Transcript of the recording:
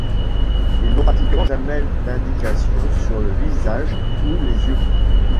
Ils n'ont pratiquement jamais d'indication sur le visage ou les yeux.